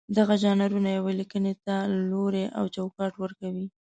دغه ژانرونه یوې لیکنې ته لوری او چوکاټ ورکوي.